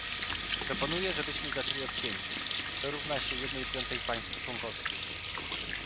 Proponuję żebyśmy zaczęli od pięciu, co równa się jednej piątej państw członkowskich